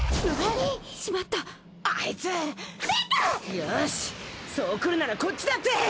よしそうくるならこっちだって。